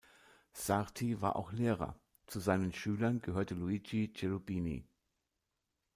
Sarti war auch Lehrer; zu seinen Schülern gehörte Luigi Cherubini.